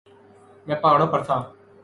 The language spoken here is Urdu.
. میں پہاڑوں پر تھا.